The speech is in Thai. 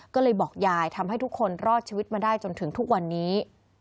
ก็เลยบอกยายทำให้ทุกคนรอดชีวิตมาได้จนถึงทุกวันนี้